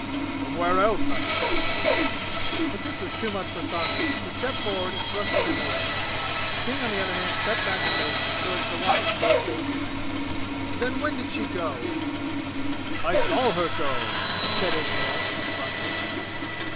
"From where else, sahib?" But this was too much for Saunders, who stepped forward and thrust in an oar. King on the other hand stepped back a pace so as to watch both faces. "Then, when did she go?" "I saw her go!" said Ismail, affronted.